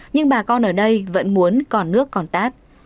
nhưng bà con ở đây vẫn muốn còn nước còn tát